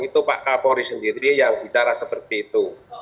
itu pak kapolri sendiri yang bicara seperti itu